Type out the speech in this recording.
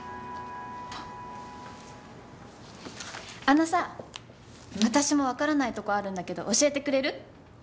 あのさ私もわからないとこあるんだけど教えてくれる？